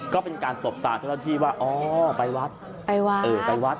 ก็เป็นการตบตาเท่าที่ที่ว่าอ๋อไปวัด